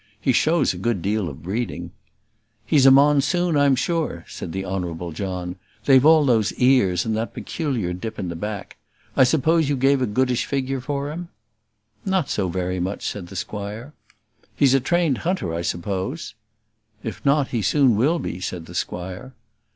"He shows a good deal of breeding." "He's a Monsoon, I'm sure," said the Honourable John. "They've all those ears, and that peculiar dip in the back. I suppose you gave a goodish figure for him?" "Not so very much," said the squire. "He's a trained hunter, I suppose?" "If not, he soon will be," said the squire.